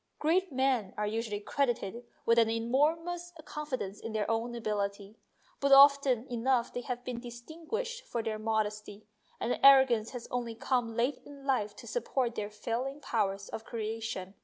Great men are usually credited with an enormous confidence in their own ability, but often enough they have been distinguished for their modesty, and the arrogance has only come late in life to support their failing powers of creation.